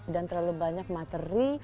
dan terlalu banyak materi